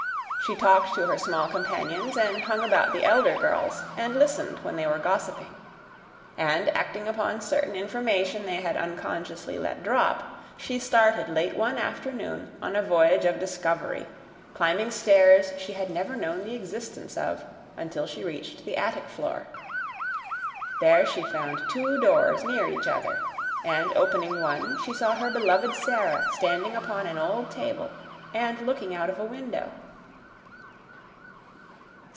She talked to her small companions and hung about the elder girls and listened when they were gossiping; and acting upon certain information they had unconsciously let drop, she started late one afternoon on a voyage of discovery, climbing stairs she had never known the existence of, until she reached the attic floor. There she found two doors near each other, and opening one, she saw her beloved Sara standing upon an old table and looking out of a window.